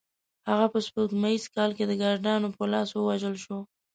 هغه په سپوږمیز کال کې د کردانو په لاس ووژل شو.